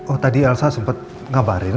oh tadi elsa sempat ngabarin